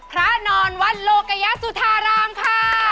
พระนอนวัดโลกยสุธารามค่ะ